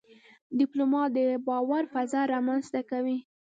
ډيپلومات د باور فضا رامنځته کوي.